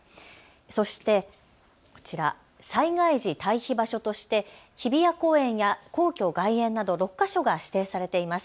そしてこちら、災害時退避場所として日比谷公園や皇居外苑など６か所が指定されています。